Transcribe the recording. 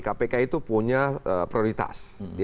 kpk itu punya prioritas